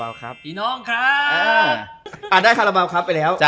อ่าได้คาราเบาครับไปแล้ว